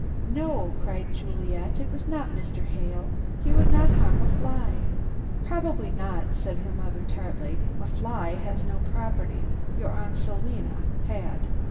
"No," cried Juliet, "it was not Mr. Hale. He would not harm a fly." "Probably not," said her mother tartly, "a fly has no property your Aunt Selina had.